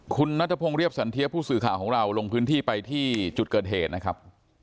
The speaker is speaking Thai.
คุณนัทพงศ์เรียบสันเทียผู้สื่อข่าวของเราลงพื้นที่ไปที่จุดเกิดเหตุนะครับ